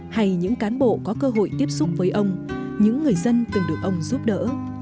hay những cán bộ có cơ hội tiếp xúc với ông những người dân từng được ông giúp đỡ